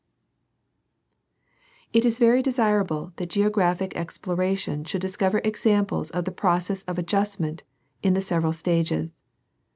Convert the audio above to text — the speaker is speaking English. It is very desirable that geographic exploration should discover examples of the process of adjustment in its several stages.